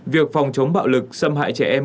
việc phòng chống bạo lực xâm hại trẻ em